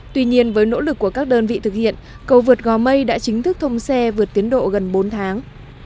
tuy nhiên với nỗ lực của các đơn vị thực hiện cầu vượt gò mây đã chính thức thông xe vượt tiến độ gần bốn tháng